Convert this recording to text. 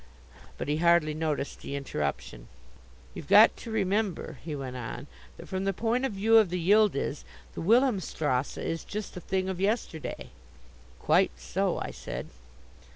But he hardly noticed the interruption. "You've got to remember," he went on, "that, from the point of view of the Yildiz, the Wilhelmstrasse is just a thing of yesterday." "Quite so," I said.